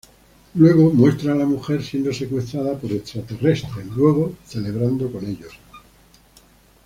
Luego muestra a la mujer siendo secuestrada por extraterrestres, luego celebrando con ellos.